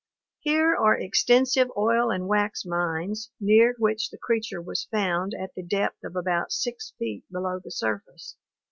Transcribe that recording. Here are extensive oil and wax mines near which the creature was found at the depth of about 6 feet below the surface.